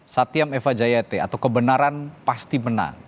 satyam eva jayate atau kebenaran pasti menang